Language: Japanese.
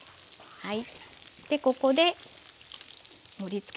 はい。